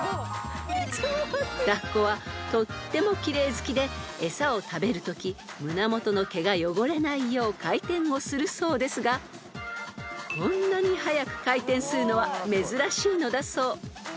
［ラッコはとっても奇麗好きで餌を食べるとき胸元の毛が汚れないよう回転をするそうですがこんなに速く回転するのは珍しいのだそう］